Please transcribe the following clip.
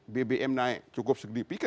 bbm naik cukup sedikit